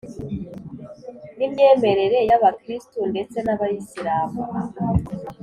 n’imyemerere y’abakristo ndetse n’abayisilamu